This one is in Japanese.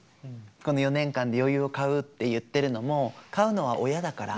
この４年間で余裕を買うって言ってるのも買うのは親だから。